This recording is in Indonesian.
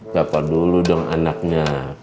papa dulu dong anaknya